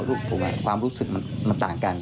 พวกผมความรู้สึกมันต่างกัน